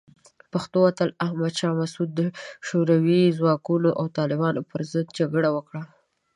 پښتون اتل احمد شاه مسعود د شوروي ځواکونو او طالبانو پر ضد جګړه وکړه.